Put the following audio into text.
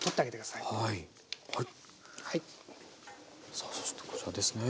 さあそしてこちらですね。